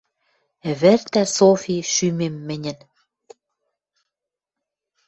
Ӹвӹртӓ, Софи, шӱмем мӹньӹн